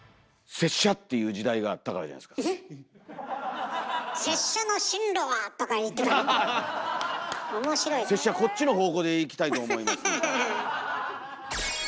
「拙者こっちの方向でいきたいと思いますので」。